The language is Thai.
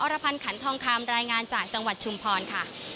รพันธ์ขันทองคำรายงานจากจังหวัดชุมพรค่ะ